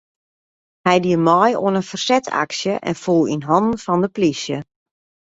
Hy die mei oan in fersetsaksje en foel yn hannen fan de polysje.